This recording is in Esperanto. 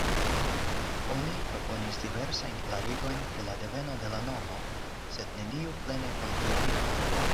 Oni proponis diversajn klarigojn pri la deveno de la nomo, sed neniu plene konfirmita.